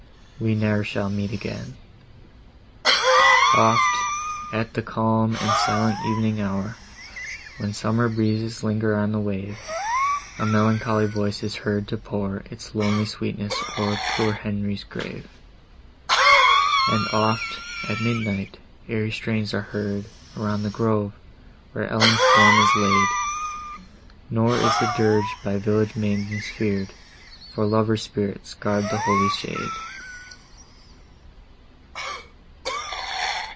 —we ne'er shall meet again!" Oft, at the calm and silent evening hour, When summer breezes linger on the wave, A melancholy voice is heard to pour Its lonely sweetness o'er poor Henry's grave! And oft, at midnight, airy strains are heard Around the grove, where Ellen's form is laid; Nor is the dirge by village maidens fear'd, For lovers' spirits guard the holy shade!